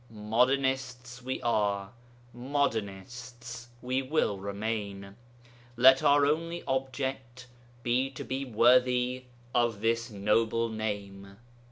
Modernists we are; modernists we will remain; let our only object be to be worthy of this noble name.